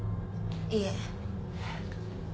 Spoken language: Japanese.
いえ。